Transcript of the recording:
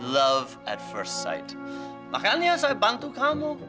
love at first sight makanya saya bantu kamu